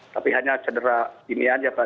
tapi hanya cedera ini aja pak